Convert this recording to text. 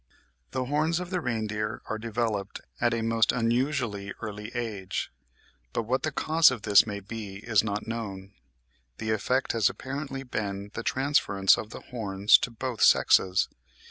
80. The horns of the reindeer are developed at a most unusually early age; but what the cause of this may be is not known. The effect has apparently been the transference of the horns to both sexes.